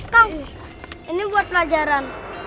kang ini buat pelajaran